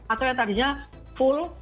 atau yang tadinya full